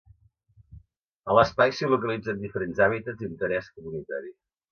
A l’espai s’hi localitzen diferents hàbitats d’interès comunitari.